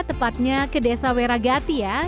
tepatnya ke desa weragati ya